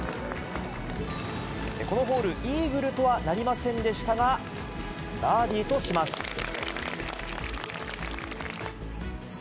このホール、イーグルとはなりませんでしたが、バーディーとします。